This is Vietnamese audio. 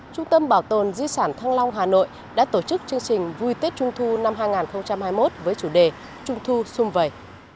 trung tâm bảo tồn di sản thăng long hà nội đã tổ chức chương trình vui tết trung thu năm hai nghìn hai mươi một với chủ đề trung thu xung vầy